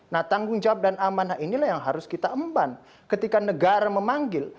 nah tanggung jawab dan amanah inilah yang harus kita emban ketika negara memanggil